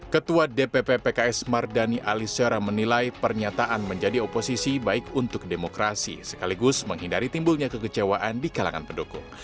ketua dpp pks mardani alisera menilai pernyataan menjadi oposisi baik untuk demokrasi sekaligus menghindari timbulnya kekecewaan di kalangan pendukung